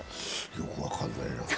よく分かんないな。